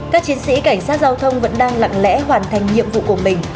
các chiến sĩ cảnh sát giao thông vẫn đang lặng lẽ hoàn thành nhiệm vụ của mình